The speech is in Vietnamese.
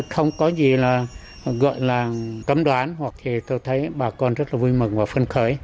không có gì là gọi là cấm đoán hoặc thì tôi thấy bà con rất là vui mừng và phân khởi